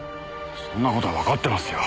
そんな事はわかってますよ。